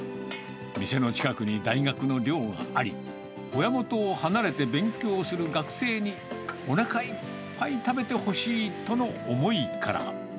店の近くに大学の寮があり、親元を離れて勉強する学生におなかいっぱい食べてほしいとの思いから。